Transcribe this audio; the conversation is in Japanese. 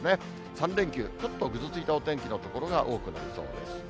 ３連休、ちょっとぐずついたお天気の所が多くなりそうなんです。